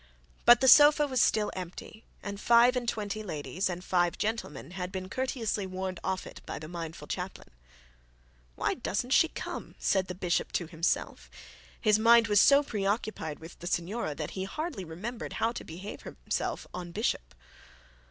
But the sofa was still empty, and five and twenty ladies and five gentlemen had been courteously warned off it by the mindful chaplain. 'Why doesn't she come?' said the bishop to himself. His mind was so preoccupied with the signora, that he hardly remembered how to behave himself en bishop.